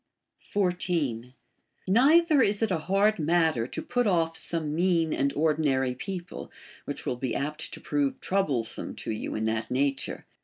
BASHFULNESS 73 14. Neither is it a hard matter to put oif some mean and ordinary people, which will be apt to prove trouble some to you in that nature.